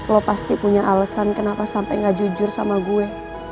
lo pasti punya alasan kenapa sampai gak jujur sama gue